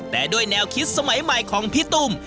แต่ด้วยแนวคิดสมัยใหม่ของพี่ตุ้ม